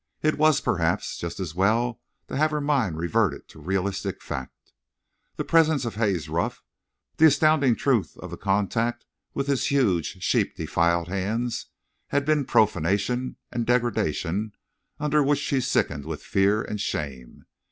It was, perhaps, just as well to have her mind reverted to realistic fact. The presence of Haze Ruff, the astounding truth of the contact with his huge sheep defiled hands, had been profanation and degradation under which she sickened with fear and shame.